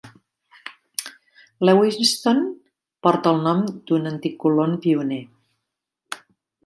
Lewiston porta el nom d'un antic colon pioner.